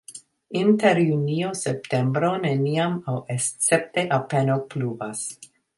Inter junio-septembro neniam aŭ escepte apenaŭ pluvas.